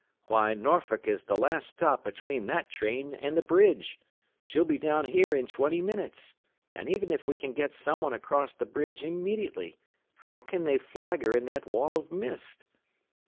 Why, Norfolk is the last stop between that train and the bridge! She'll be down here in twenty minutes! And even if we can get someone across the bridge immediately, how can they flag her in that wall of mist?"